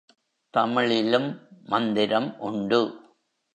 தமிழிலும் மந்திரம் உண்டு.